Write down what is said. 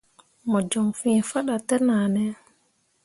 Mo joŋ fĩĩ faɗa tenahne.